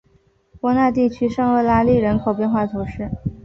波讷地区圣厄拉利人口变化图示